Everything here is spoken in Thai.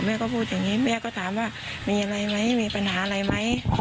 แม่ก็พูดอย่างนี้แม่ก็ถามว่ามีอะไรมั้ย